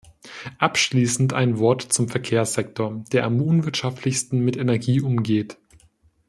Abschließend ein Wort zum Verkehrssektor, der am unwirtschaftlichsten mit Energie umgeht.